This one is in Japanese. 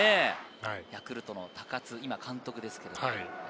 ヤクルトの高津、今監督ですけど。